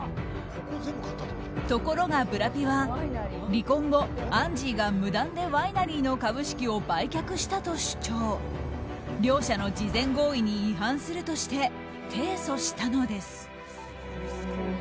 ところがブラピは離婚後アンジーが無断でワイナリーの株式を売却したと主張。両者の事前合意に違反するとして提訴したのです。